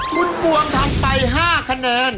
คุณปวงทำไป๕คะแนน